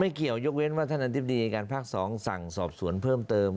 เกี่ยวยกเว้นว่าท่านอธิบดีอายการภาค๒สั่งสอบสวนเพิ่มเติม